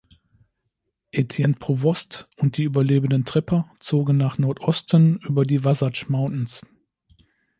Etienne Provost und die überlebenden Trapper zogen nach Nordosten über die Wasatch Mountains.